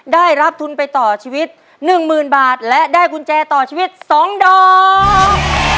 ได้รับทุนไปต่อชีวิต๑๐๐๐บาทและได้กุญแจต่อชีวิต๒ดอก